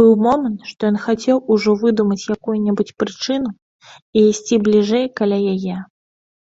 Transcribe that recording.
Быў момант, што ён хацеў ужо выдумаць якую-небудзь прычыну і ісці бліжэй каля яе.